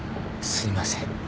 すいません。